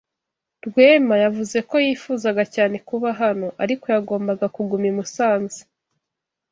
Rwema yavuze ko yifuzaga cyane kuba hano, ariko yagombaga kuguma i Musanze.